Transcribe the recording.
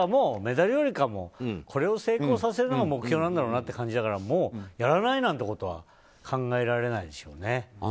メダルよりもこれを成功させるのが目標なんだろうなって感じだからやらないなんてことは考えられないでしょうね。